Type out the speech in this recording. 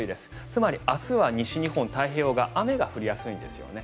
つまり、明日は西日本太平洋側は雨が降りやすいんですね。